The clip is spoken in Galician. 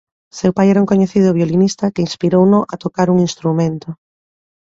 Seu pai era un coñecido violinista que inspirouno a tocar un instrumento.